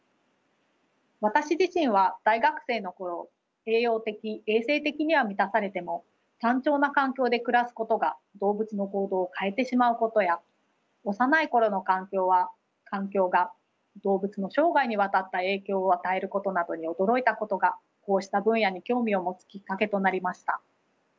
私自身は大学生のころ栄養的衛生的には満たされても単調な環境で暮らすことが動物の行動を変えてしまうことや幼いころの環境が動物の生涯にわたった影響を与えることなどに驚いたことがこうした分野に興味を持つきっかけとなりました。